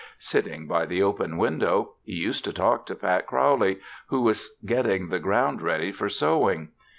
Sitting by the open window, he used to talk to Pat Crowley, who was getting the ground ready for sowing.